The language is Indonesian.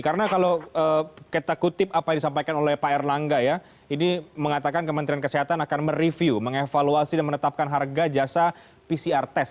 karena kalau kita kutip apa yang disampaikan oleh pak erlangga ya ini mengatakan kementerian kesehatan akan mereview mengevaluasi dan menetapkan harga jasa pcr test